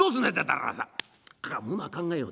「だからさものは考えようだ。